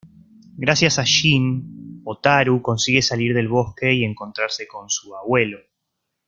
Gracias a Gin, Hotaru consigue salir del bosque y encontrarse con su abuelo.